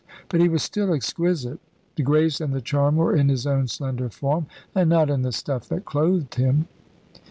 But he was still exquisite. The grace and the charm were in his own slender form, and not in the stuff that clothed him.